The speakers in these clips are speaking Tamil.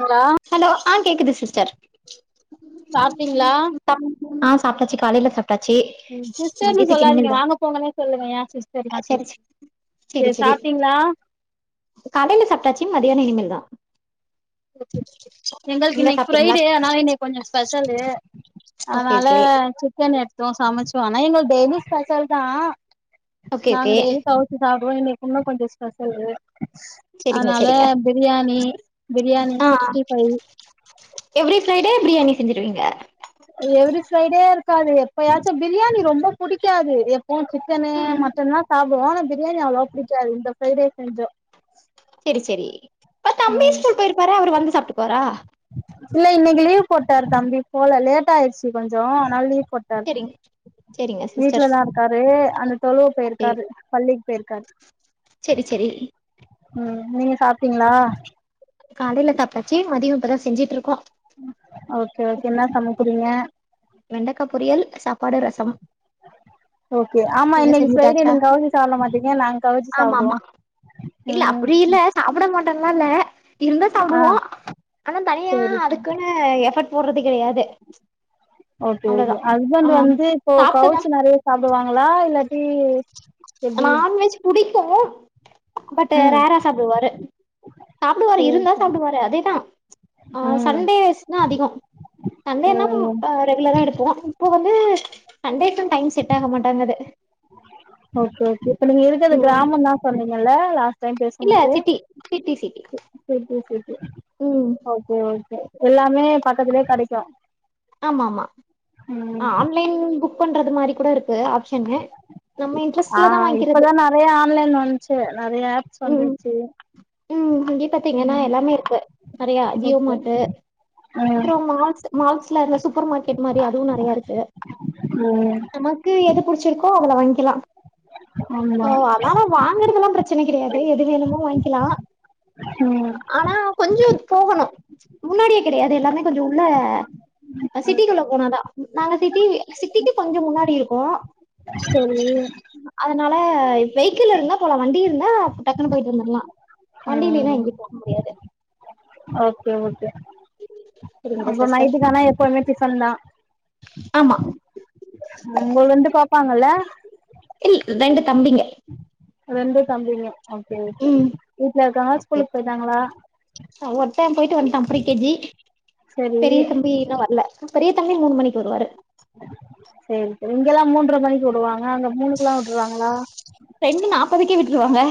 ஹலோ ஹலோ ஆ கேக்குது சிஸ்டர் சாப்ட்டீங்களா ஆ சாப்ட்டாச்சி காலேல சாப்ட்டாச்சி ம் சிஸ்டர்ன்னு சொல்லாதிங்க வாங்க போங்கன்னே சொல்லுங்க ஏ சிஸ்டர்ல்லா சொல் சரி செரி சாப்ட்டீங்களா காலேல சாப்ட்டாச்சி மதியான இனிமேல்தா எங்களுக்கு நீங்க இன்னக்கி சாப்ட்டீங்களா ஃப்ரைடே அதனாலா இன்னக்கி கொஞ்சோ ஸ்பெஷலு ஓகே அதனால ஓகே சிக்கன் எடுத்தோ சமைச்சோ ஆனா எங்களுக்கு டெய்லி ஸ்பெஷல் தா ஓகே நாங்க ஓகே டெய்லி கவுச்சு சாப்டுவோ இன்னக்கி இன்னு கொஞ்சோ ஸ்பெஷலு சரிங்க அதனால சரிங்க பிரியாணி பிரியாணி ஆ sixty five every Friday biryani செஞ்சிருவீங்க எவ்ரி ஃப்ரைடே இருக்காது எப்பயாச்சு பிரியாணி ரொம்ப புடிக்காது அதா சிக்கனு ம் மட்டன்லா சாப்டுவோ ஆனா பிரியாணி அவ்வளவா பிடிக்காது இந்த ஃப்ரைடே செஞ்சோ செரி செரி அப்ப தம்பி ம் ஸ்கூல் போயிருப்பாரு அவர் வந்து சாப்ட்டுக்குவாரா இல்ல இன்னக்கி லீவ் போட்டார் தம்பி போல லேட் ஆயிருச்சி கொஞ்சோ அதனால லீவ் போட் செரிங்க வீட்லதா இருக்காரு அந்த தொழுவ போயிருக்காரு பள்ளிக்கு போயிருக்காரு செரி செரி ம் நீங்க சாப்ட்டீங்களா காலேல சாப்டாச்சி மதியோ இப்பதா செஞ்சிட் இருக்கோ ஓகே ஓகே என்ன சமைக்கிறீங்க வெண்டக்கா பொரியல் சாப்பாடு ரசம் ஓகே ஆமா நீங்க இன்னக்கி ஃப்ரைடே செஞ்சுட்டாச்சா நீங்க கவச்சி சாப்ட மாட்டீங்க நாங்க கவச்சி ஆமா ஆமா சாப்டுவோ இல்ல ம் அப்டி இல்ல சாப்ட மாட்டோன்லா இல்ல இருந்தா ஆ சாப்டுவோ ஆனா தனியா சேரி அதுக்குன்னு எஃபர்ட் போடுறது கெடையாது ஓகே அவ்ளோதா ஓகே ஆ ஹஸ்பண்ட் வந்து இப்போ சாப்ட்டதா கவுச்சி நெறையா சாப்டுவாங்களா இல்லாட்டி எப்டி நான்வெஜ் புடிக்கு பட் ம் ரேரா சாப்டுவாரு சாப்டுவாரு சேரி இருந்தா சேரி சாப்டுவாரு அதேதா ஆ ம் சண்டேஸ்ன்னா அதிகோ சண்டேன்னா ம் ஆ ரெகுலரா எடுப்போ இப்ப வந்து சண்டேஸ் டைம் செட் ஆக மாட்டாங்குது ஓகே ஓகே இப்ப நீங்க இருக்கது ம் கிராமந்தா சொன்னீங்கல்ல லாஸ்ட் டைம் இல்ல பேசம்போது சிட்டி சிட்டி சிட்டி செரி செரி செரி செரி ம் ஓகே ஓகே எல்லாமே பக்கத்துலயே கெடைக்கு ஆமா ஆமா ம் ஆன்லைன் புக் பண்றது மாரி கூட இருக்கு ஆப்ஷன்னு ஆஹ் இப்பதான் நிறைய ஆன்லைன் வந்துச்சு நிறைய ஆப்ஸ் ம் வந்துச்சு ம் இங்க பாத்தீங்கன்னா எல்லாமே இருக்கு நிறைய ஜியோ ஓகே மார்டு ம் அப்புறம் மால்ஸ் மால்ஸ் மாரி சூப்பர் மார்க்கெட் மாரி அதுவும் நிறையா இருக்கு உம் து புடிச்சிருக்கோ அதுல வாங்கிக்கலாம் ஆமா ஓ அதனால வாங்கறதெல்லாம் பிரச்சனை கிடையாது எது வேணுமோ வாங்கிக்கலாம் ம் ஆனா கொஞ்சம் போகணும் முன்னாடியே கிடையாது எல்லாமே கொஞ்சம் உள்ள சிட்டிகுள்ள போனாதான் நாங்க சிட்டி சிட்டிக்கு கொஞ்சம் முன்னாடி இருக்கோம் சரி அதனால வெகிக்கிள் இருந்தா போலாம் வண்டி இருந்தா டக்குன்னு போயிட்டு வந்துர்லாம் ம் ஓகே ஓகே சரிங்களா அங்க சிஸ்டர் நைட்டுக்கானா எப்பவுமே டிப்பன் தான் ஆமா பதுல இருந்து பாப்பாங்கல்ல இல் ரெண்டு தம்பிங்க ரெண்டும் தம்பிங்க ஓகே ஓகே ம் வீட்டுல இருக்காங்களா ஓகே ஸ்கூலுக்கு போயிட்டாங்களா ஒருத்த போயிட்டு வந்து ட்டான் ப்ரி கே ஜி சரி பெரிய தம்பி இன்னும் வரல பெரிய தம்பி மூணு மணிக்கு வருவாரு சரி சரி இங்க எல்லாம் மூன்ற மணிக்கு விடுவாங்க அங்க மூணுக்குல்லாம் விட்டுருவாங்களா ரெண்டு நாப்பதுக்கே விட்டுருவாங்க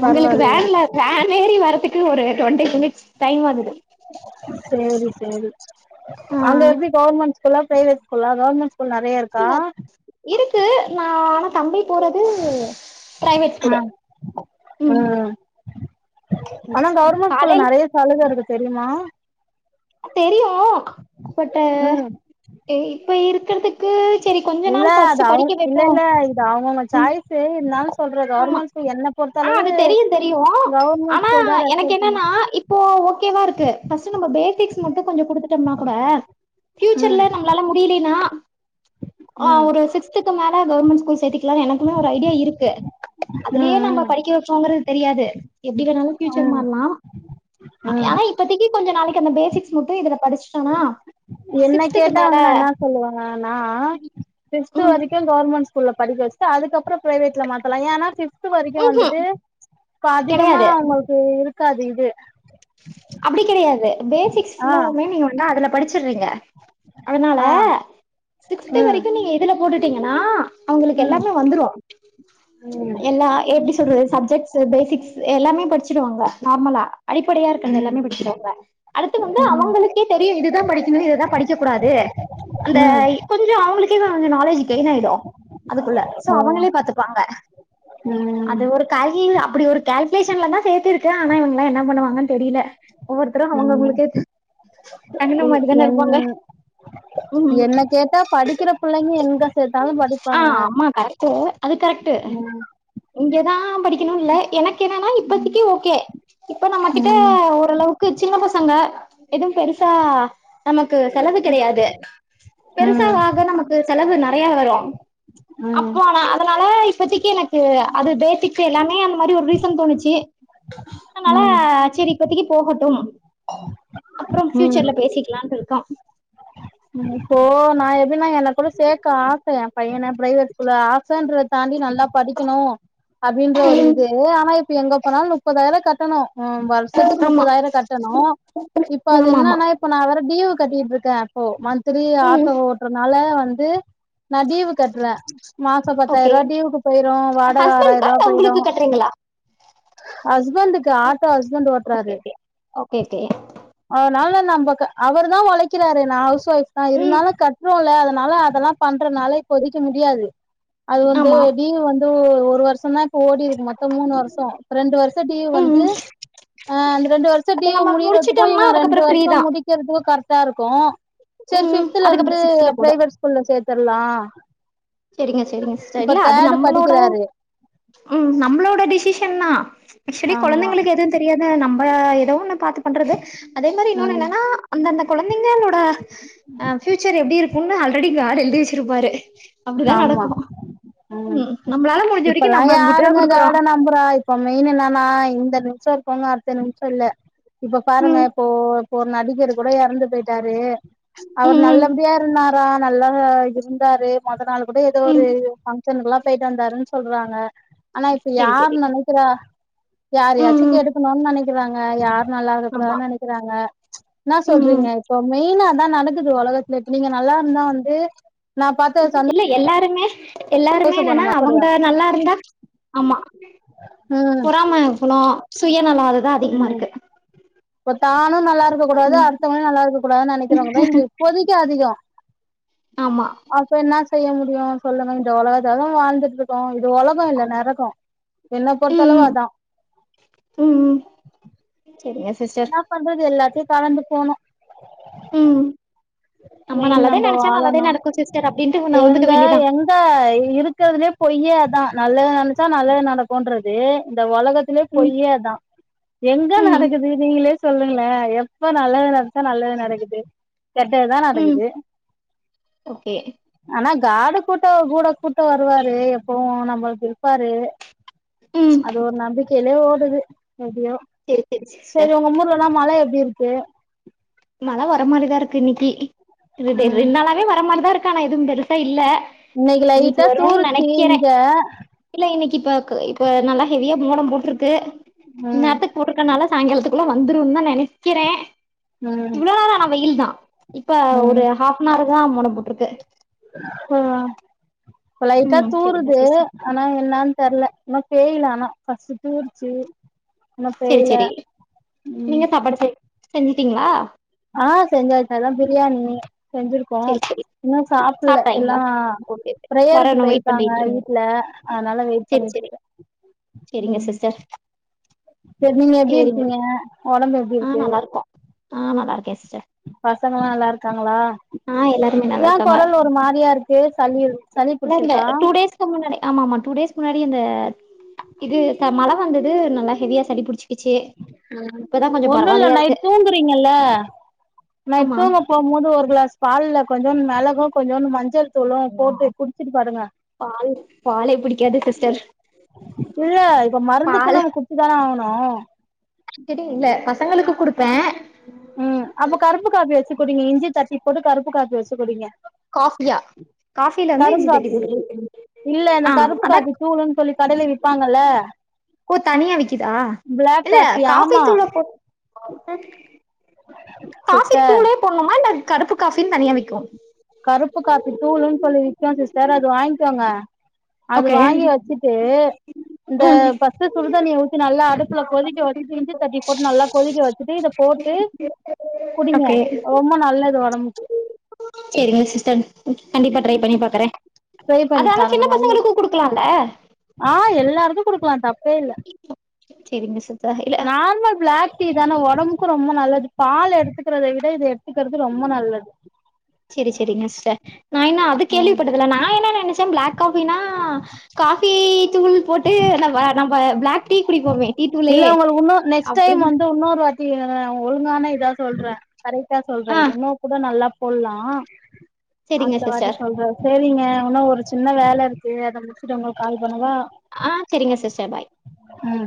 அவங்களுக்கு பரவாயில்லையே வேன்ல வேன் ஏறி வரதுக்கு ஒரு டுவெண்ட்டி மினிட்ஸ் டைம் ஆகுது சேரி சேரி ஆ அங்க எப்டி கவர்மெண்ட் எல்லாம் பிரைவேட் ஸ்கூல்லா கவர்மென்ட் ஸ்கூல் நிறையக்கு எல்லாம் இருக்கு நா ஆனா தம்பி போறது பிரைவேட் ஸ்கூலு ஆம் ம் உம் ஆனா கவர்மெண்ட் ஸ்கூல்ல காலைல நிறைய சலுக இருக்கு தெரியுமா தெரியும் பட்டு இப்ப இருக்கிறதுக் இல்ல அது அவங்க இல்ல இல்ல இது அவங்க அவங்க ம் சாய்ஸு இருந்தாலும் சொல்ற கவர்மெண்ட் ஸ்கூல் என்ன இப்ப பொறுத்தளவு அது தெரியும் தெரியும் கவர்மெண்ட் ஆனா ஸ்கூல் தா எனக்கு ரெஃபர் பண்ணுவ என்னன்னா இப் இப்ப ஓகே வா இருக்கு பஸ்டு நம்ம பேஸிக்ஸ் மட்டும் கொஞ்ச குடுத்துட்டோம்னா கூட ம் ஃபியூச்சர்ல நம் னால முடியலன்னா ம் ஒரு சிக்ஸ் த்துக்கு மேல கவர்மெண்ட் ஸ்கூல் சேத்திக்கலானு எனக்குமே ஒரு ஐடியா இருக்கு அதலேயே நம்ம ம் ம் எப்டி இருப்போங்கிறது தெரியாது எப்படி வேணாலும் ஃபியூச்சர் மாறலாம் ம் ஆன இ இப்பத்திக்கி கொஞ்சம் நாளைக்கு அந்த பேசிக்ஸ் மட்டும் இதுல படிச்சுட்டானா என்ன கேட்டா வந்து நா என்ன சொல்லுவேன் நானா பி்ப்த் வரிக்கு ம் கவர்மெண்ட் ஸ்கூல படிக்க வச்சுட்டு அதுக்கப்பறம் பிரவேட்ல மாத்தலாம் ஏனா பிப் த்து வரைக்கும் வந்துட்டு இப்ப அதிகமா கெடையாது அவுங்களுக்கு இருக்காது இது அப்டி கெடையாது பேசிக்ஸ் ஆ புல்லாவுமே நீங்க வந்து அதுல படிச்சிறீங்க அதனால ஆ ஃபிப்த் ம் வெரிக்கும் நீங்க இதுல போட்டுட்டீங்கன்னா அவுங்களுக்கு ம் எல்லாமே வந்துறோ ம் எல்லா A B C [unintelligible] subjects basics எல்லாமே படிச்சிடுவாங்க நார்மலா அடிப்படையா இருக்கறது ம் எல்லாமே படிச்சிருவாங்க அடுத்து வந்து ம் அவங்களுக்கே தெரியும் இதுதா படிக்கணும் இதுதா படிக்க கூடாது அந்த ம் கொஞ்சம் அவங்களுக்கே கொஞ்ச நாலேஜ் கெயின் ஆயிடும் அதுக்குள்ள சோ அவங்களே பாத்துப்பாங்க உம் அது ஒரு [unintelligible] அப்டி ஒரு கேல்குலேஷன்ல தா சேத்திருக்க ஆனா இவங்கல்லா என்ன பண்ணுவாங் என்னன் தெரியில ஒவ்வொருத்தரு அவுங்க ம் அவுங்களுக்கு தகுந்த இ மாரி தான என் இருப்பாங்க ம் என்ன கேட்டா படிக்கிற புள்ளைங்க எங்க சேத்தாலு படிப்பாங்க தே அது கரெக்ட்டு ம் இங்க தா படிக்கணு இல்ல எனக்கு என்னனா இப்பத்திக்கு ஓகே இப்ப நம்ம கிட்ட ம் ஓரளவுக்கு சின்ன பசங்க எது பெருசா நமக்கு செலவு கெடையாது பெருசா ம் ஆக ஆக நமக்கு செலவு நெறைய வரு ம் அப்போ அவ அதனால இப்பத்திக்கி எனக்கு அது பேசிக்ஸ் எல்லாமே அந்த மாரி ஒரு ரீசன் தோணுச்சி ம் அ செரி இப்பத்திக்கி போகட்டும் அப்பறம் ம் ஃபியூச்சர்ல பேசிக்கலான்ட்டு இருக்கோ இப்போ நா எப்டினா எல்லார்கூட சேக்க ஆச எ பையன பிரைவேட் ஸ்கூல்ல ஆசன்றத தாண்டி நல்லா படிக்கணும் அப்டின்ற ஒரு ம் இது ஆனா இப்ப எங்க போனாலு நுப்பதாயிர கட்டணு ம் வருஷத்துக்கு ஆமா முப்பதாயிர கட்டணு இப்ப அது ஆமா ஆமா என்னன்னா இப்ப நா வேற டீவு கட்டிட்ருக்கே அப்போ மந்த்லி ம் ஆட்டோ ஓட்றத்னால வந்து நா டீவு கட்டுற மாச பத்தாயிர ஓகே ரூவா டீவுக்கு போயிரு வாடக ஆறாயிர் ஹஸ்பண்ட்க்கா ரூவா இல்ல போயிரு உங்களுக்கு கட்றீங்களா ஹஸ்பண்டுக்கு ஆட்டோ ஹஸ்பண்ட் ஓகே ஓட்றாரு ஓகே ஓகே கே அதனால நம்ப க அவர் தா ஒழைக்கிறாரு நா ஹவுஸ் ஒய்ப் தா ம் இருந்தாலு கட்றோல்ல அதனால அதெல்லா பண்றனால இப்போதிக்கு முடியாது அது வந்து ஆமா டீவு வந்து ஒரு வருஷ தா ஓடி இருக்கு மொத்த மூணு வருஷோ ரெண்டு வருஷ டீவு வந்து ம் ஆ அந்த ரெண்டு வருஷ அது டீவு நம்ம முடியற முடிச்சுட்டோம்னா இவ ரெண்டு அதுக்கப்புறம் ஃப்ரீ வருஷோ தா முடிக்கிறதுக் கரெக்டா இருக்கு செரி ம் ஃபிப்த்துல இருந்து அதுக்கப்புறம் சிக்ஸ்ல போடு பிரைவேட் ஸ்கூல்ல சேத்தற்லா செரிங்க செரிங்க சிஸ்டர் இல்ல அது நம்பளோட படிக்கிறாரு ம் நம்பளோட டிசிஷன் தா ஆக்ச்சுலி ஆமா கொழந்தைங்களுக்கு எதுவு தெரியாது நம்ப எதோ ஒன்னு பாத்து பண்றது அதே மாரி இன்னொனு ம் என்னனா அந்தந்த கொழந்தைங்களோட அ பியூச்சர் எப்டி இருக்குன்னு ஆல்ரெடி காட் எழுதி வச்சிருப்பாரு அப்டிதா ஆமா நடக்கு ம் நம்மளால முடிஞ்ச வரைக்கு இப்பெல்லா நம்ம குட்டா யாருங்க குடுக்குறோ காட நம்பறா இப் இப்ப மெயின் என்னன்னா இந்த நிம்ஷ இருக்கறவுங்க அடுத்த நிம்ஷ இல்ல இப்ப பாருங்க ம் இப்போ இப்போ ஒரு நடிகர் கூட எறந்து போயிட்டாரு அவர் ம் ம் நல்லபடியா இருந்தார் ப நல்லா இருந்தாரு மொத நாள் கூட ஏதோ ஒரு ம் ஃபங்க்ஷன்குல்லா போய்ட்டு வந்தாருன் சொல்றாங்க ஆனா இப்ப செரி செரி யார் நெனைக்கிறா யார ம் யாச்சு ம் கெடுக்கணுன் நெனைக் கிறாங்க யாரு நல்லா ஆமா இருக்கனுன் நெனைக்கிறாங்க இன்னா ம் ம் சொல்றீங்க இப்ப மெயினா நடக்குது ஒலகத்ல இப்ப நீங்க நல்லா இருந்தா வந்து நா பாத் இல்ல எல்லாருமே எல்லாருமே சந்தோஷப்பட என்னனா மாட்டே அவங்க நல்லா இருந்தா ஆமா ம் பொறமை குணோ சுயநல அததா அதிகமா ம் இருக்கு இப்ப தானு நல்லா இருக்க கூடாது ம் அடுத்தவங்களு நல்லா இருக்க கூடாது நெனைக்கிறவங்க தா இங்க இப்போதிக்கு அதிகோ ஆமா அப்ப என்ன செய்ய முடியு சொல்லுங்க இந்த ஒலகத்ல தா வாழ்ந்துட்ருக்கோ இது ஒலகோ இல்ல நரகோ என்ன ம் பொறுத்தளவு ம் அதா ம் செரிங்க சிஸ்டர் ன்ன பண்றது எல்லாத்தையு கடந்து போனு ம் நம்ம மெயின் நல்லதே நெனச்சா நல்லதே வாழணு நடக்கு சிஸ்டர் அப்டின்ட்டு உன்ன வந்துக்க வேண்டிதா [inaudible] இருக்கிறதுலே பொய்யு அதா நல்லது நினைச்சா நல்லது நடக்குன்றது இந்த உலக த்துலே ம் பொய் அதான் எங்க ம் நடக்குது நீங்களே சொல்லுங்களே எப்ப நல்லது நனச்சா நல்லது நடக்குது கெட்டது தான் ம் நடக்குது ஓகே ஆனா காடு கூட்டம் கூட கூட்டம் வருவாரு எப்பவும் நம்மளுக்கு இருப்பாரு ம் அது ஒரு நாம்பிக்கையில ஓடுது எப்பயோ செரி செரி சிஸ்டர் சரி உங்க ஊர்லலா மழ எப்டி இருக்கு மழ வர மாரிதா இருக்கு இன்னைக்கு இது டே ம் ரெண் நாளாவே வர மாரிதா இருக்க ஆனா எதுவும் பெருசா இல்ல இன்னைக்கு இன்னிக்கி லைட்டா வருன் தூருச்சு நெனைக்கிறே இங்க இல்ல இன்னைக்கு இப்ப இப்ப நல்லா ஹெவியா மூடம் போட்ருக்கு ம் நேரத்துக்கு போட்ருக்கனால சாய்ங்காலத்துக்குள்ள வந்துரும் தா நினைக்கிறேன் ம் இவ்ளோ நேரோ ஆனா வெயில் தா இப்ப ம் ஒரு ஹாஃப் அன் ஹார் தான் மூடம் போட்ருக்கு ம் இப்போ லைட்டா ம் செரிங்க தூருது சிஸ்டர் ஆனா என்னன்னு தெர்ல இன்னும் பேயல ஆனா ஃபஸ்ட் தூரிச்சு செரி செரி ம் நீங்க சாப்பாடு செ செஞ்சுட்டீங்களா ஆ செஞ்சாச்சு அதா பிரியாணி செஞ்சிரு செரி செ இன்னும் சாப்பல எல்லாம் பிரேயருக்கு வரணு வெயிட் பெயிருக்காங்க பண்ணிட்ருக்கீங்க வீட்ல அதனால வெயி செரி செரி பண்ணிட்ருக்கே செரிங்க சிஸ்டர் செரி நீங்க எப்டி சேரிங்க இருக்கீங்க ஒடம்பு எப்டி ஆ இருக்கு நல்லாருக்கோ ஆ நல்லா இருக்கே சிஸ்டர் பசங்கல்லா நல்லா இருக்காங்களா ஆ எல்லாருமே ஏன் நல்லாருக்காங்க குரல் ஒரு மாரியா இருக்கு சளி இல்ல இல்ல புடிச்சிருக்கா டூ டேஸ் க்கு முன்னாடி ஆமா ஆ டூ டேஸ் முன்னாடி அந்த இது மழ வந்தது நல்லா ஹெவியா சளி பிடிச்சு ம் ஒன்னும் இல்ல நைட் இருக்கு தூங்குறீங்கல்ல நைட் ஆமா தூங்க போ போது ஒரு கிளாஸ் பால்ல கொஞ்சோன் மிளகும் கொஞ்சோன் மஞ்சள் சொல்லொ ஆ போட்டு குடிச்சுட்டு படுங்க பால் பாலே பிடிக்காது சிஸ்டர் இல்ல இப்ப பால் மருந்துக்குன்னு அவ குத்துதான ஆகணும் என்கிட்டே இல்ல பசங்களுக்கு குடுப்பேன் ம் அப்ப கருப்பு காப்பி வச்சு குடீங்க இஞ்சி தட்டி போட்டு கருப்பு காப்பி வச்சு குடீங்க காஃபியா காஃபில வந்து கரும் இஞ்சி தட்டி காப்பி போட்டு குடிப்பே இல்ல இல்ல ஆ கருப்பு அதா காப்பி தூளுன்னு சொல்லி கடையில விப்பாங்கல்ல ஓ தனியா விக்குதா பிளாக் இல்ல காப்பி காஃபி ஆமா தூள போட்ட காஃபி சிஸ்டர் தூளே போட்லாம்மா இல்ல கருப்பு காஃபின்னு தனியா விக்கும் கருப்பு காப்பி தூளுன்னு சொல்லி விக்கூ சிஸ்டர் அது வாங்கிக்கோங்க அது ஓகே வாங்கி வச்சிட்டு இந்த ம் ஃபஸ்ட்டு சுடுதண்ணிய ஊத் தி நல்லா அடுப்புல கொதிக்க வச்சுட்டு இஞ்சி தட்டி போட்டு நல்லா கொதிக்க வச்சுட்டு இத போட்டு குடிங்க ரொம்ப நல்லது ஒடம்புக்கு செரிங்க சிஸ்டர் கண்டிப்பா ட்ரை பண்ணி ம் பாக்கறே ட்ரை அத பண்ணி ஆனா பாருங்க சின்ன நல்லது பசங்களுக்கு குடுக்கலால்ல ஆ எல்லாருக்கு குடுக்கலா தப்பே இல்ல சேரிங்க சிஸ்டர் இல்ல நார்மல் பிளாக் டீ தான ஒடம்புக்கு ரொம்ப நல்லது பால் எடுத்துக்கிறத விட இது எடுத்துக்கிறது ரொம்ப நல்லது செரி செரிங்க சிஸ்டர் நான் என்ன அது ம் கேள்விப்பட்டதில்ல நா என்ன நெனச்ச பிளாக் காஃபினா காஃபி தூள் போட்டு நம்ம நம்ம பிளாக் டீ குடிப்போமே டீதூளே அப்டினா இன்னொர் வாட்டி ஒழுங்கான இதா சொல்ற கரெக்டா சொல்ற ஆ இது இன்னோ கூட நல்லா சொல்லா சேரிங்க அடுத்தவாட்டி சிஸ்டர் சொல்ற சேரிங்க ஒன்னோ ஒரு சின்ன வேல இருக்கு அத முடுச்சுட்டு உங்ளுக்கு கால் பண்ணவா ஆ செரிங்க சிஸ்டர் பாய் ம்